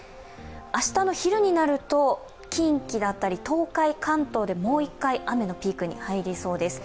明日の昼になると近畿だったり東海、関東でもう一回、雨のピークに入りそうです。